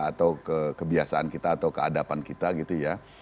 atau kebiasaan kita atau keadapan kita gitu ya